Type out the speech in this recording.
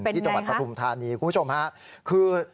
ที่จังหวัดปฐุมธานีคุณผู้ชมฮะคือ